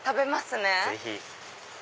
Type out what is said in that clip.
ぜひ。